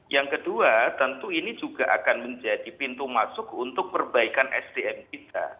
yang kedua tentu ini juga akan menjadi pintu masuk untuk perbaikan sdm kita